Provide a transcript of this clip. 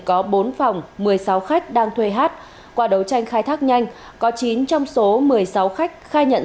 có bốn phòng một mươi sáu khách đang thuê hát qua đấu tranh khai thác nhanh có chín trong số một mươi sáu khách khai nhận